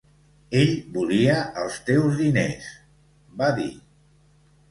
"Ell volia els teus diners", va dir.